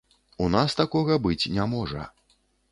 У нас такога быць не можа!